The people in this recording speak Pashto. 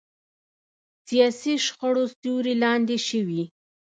سیاسي شخړو سیوري لاندې شوي.